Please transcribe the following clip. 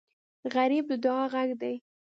غریب د دعا غږ دی